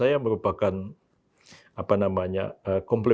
apa yang ingin dilakukan untuk menjelaskan pak prabowo